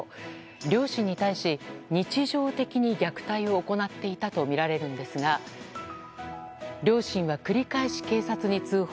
両親に対し日常的に虐待を行っていたとみられるんですが両親は繰り返し警察に通報。